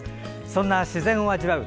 そんな自然を味わう